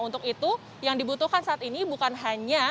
untuk itu yang dibutuhkan saat ini bukan hanya